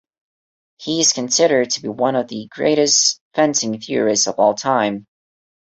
He is considered to be one of the greatest fencing theorists of all time.